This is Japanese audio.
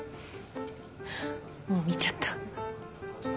もう見ちゃった。